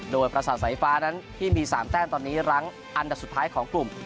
โดยประสาทสายฟ้านั้นที่มี๓แต้มตอนนี้รั้งอันดับสุดท้ายของกลุ่ม